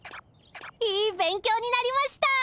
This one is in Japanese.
いい勉強になりました。